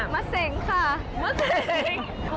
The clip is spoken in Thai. เสงค่ะมะเสง